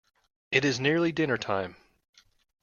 It is nearly dinner-time.